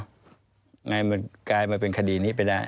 แล้วภาพข่าวที่ออกมาที่เห็นข้านุนเข้าไปนอนด้วยเนี่ย